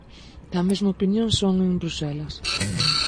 Da mesma opinión son en Bruxelas.